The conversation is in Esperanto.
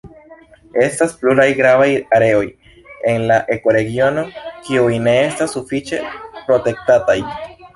Estas pluraj gravaj areoj en la ekoregiono kiuj ne estas sufiĉe protektataj.